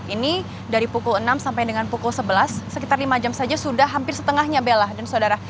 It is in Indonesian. ini dari pukul enam sampai dengan pukul sebelas sekitar lima jam saja sudah hampir setengahnya bella dan saudara